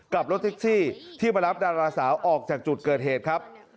กับรถแท็กซี่ที่มารับดาราสาวออกจากจุดเกิดเหตุครับ